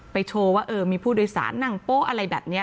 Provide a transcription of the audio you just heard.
โชว์ว่าเออมีผู้โดยสารนั่งโป๊ะอะไรแบบนี้